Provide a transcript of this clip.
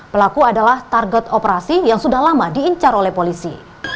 pelaku adalah target operasi yang sudah lama diincar oleh polisi